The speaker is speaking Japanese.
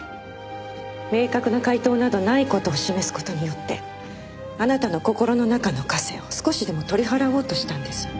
明確な解答などない事を示す事によってあなたの心の中の枷を少しでも取り払おうとしたんですよ。